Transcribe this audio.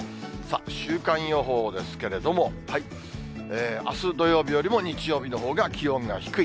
週間予報ですけれども、あす土曜日よりも日曜日のほうが気温が低い。